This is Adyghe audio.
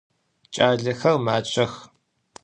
Ç'alexer maççex.